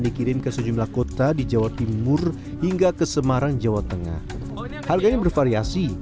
dikirim ke sejumlah kota di jawa timur hingga ke semarang jawa tengah harganya bervariasi